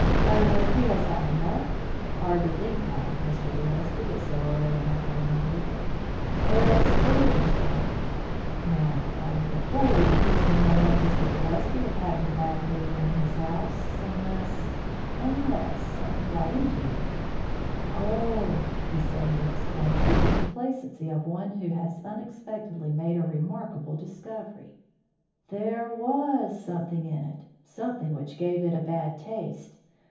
"Either he has had enough hard to think that of Mr. Gillespie at so early an hour in the evening or else the liquor's bad. Now, only a fool would accuse a man like Mr. Gillespie of having bad liquor in his house, unless unless something got into it Oh!" he suddenly exclaimed, with the complacency of one who has unexpectedly made a remarkable discovery, "there was something in it, something which gave it a bad taste.